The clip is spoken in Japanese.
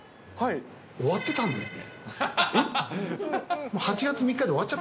終わってたんだよね。